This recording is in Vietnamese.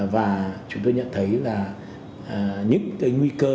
và chúng tôi nhận thấy là những cái nguy cơ